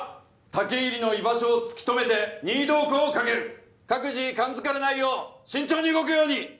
武入の居場所を突き止めて任意同行をかける各自感づかれないよう慎重に動くように！